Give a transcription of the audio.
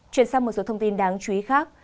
chuyển sang một số thông tin đáng chú ý khác